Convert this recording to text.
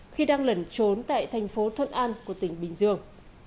khi đang lẩn trốn tại thành phố thuận an của tỉnh bình dương